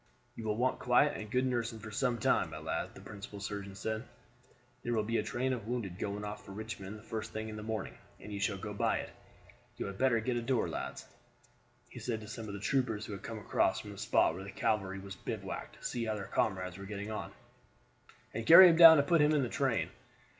"You will want quiet and good nursing for some time, my lad," the principal surgeon said. "There will be a train of wounded going off for Richmond the first thing in the morning, and you shall go by it. You had better get a door, lads," he said to some of the troopers who had come across from the spot where the cavalry were bivouacked to see how their comrades were getting on, "and carry him down and put him in the train.